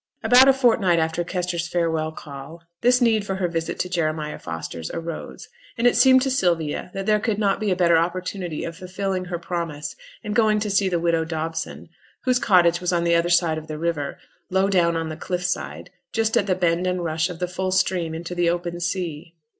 About a fortnight after Kester's farewell call, this need for her visit to Jeremiah Foster's arose; and it seemed to Sylvia that there could not be a better opportunity of fulfilling her promise and going to see the widow Dobson, whose cottage was on the other side of the river, low down on the cliff side, just at the bend and rush of the full stream into the open sea.